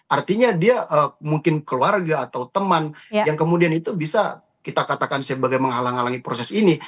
artinya dia mungkin keluarga atau teman yang kemudian itu bisa kita katakan sebagai menghalang halangi proses ini